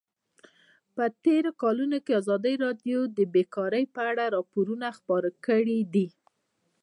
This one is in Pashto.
په تېرو کلونو کې ازادي راډیو د بیکاري په اړه راپورونه خپاره کړي دي.